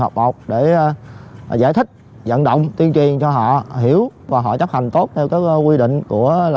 hợp học để giải thích vận động tuyên truyền cho họ hiểu và họ chấp hành tốt theo các quy định của